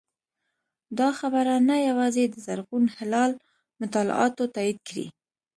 دا خبره نه یوازې د زرغون هلال مطالعاتو تایید کړې